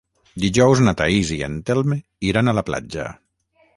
Dijous na Thaís i en Telm iran a la platja.